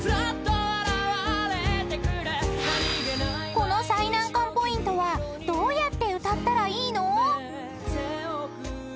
［この最難関ポイントはどうやって歌ったらいいの？］